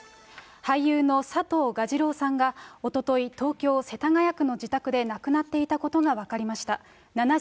俳優の佐藤蛾次郎さんがおととい、東京・世田谷区の自宅で亡くなっていたことが分かりました。